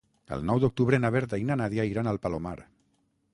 El nou d'octubre na Berta i na Nàdia iran al Palomar.